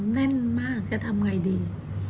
๕๓แน่นมากจะทำอย่างไรดี